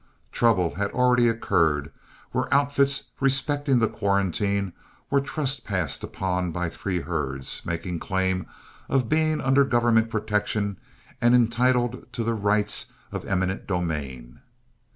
Trouble had already occurred, where outfits respecting the quarantine were trespassed upon by three herds, making claim of being under government protection and entitled to the rights of eminent domain.